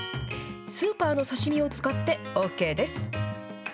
スーパーの刺身を使ってＯＫです。